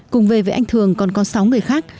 cùng về với anh thường còn có sáu người khác